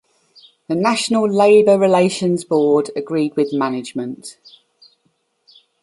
The National Labor Relations Board agreed with management.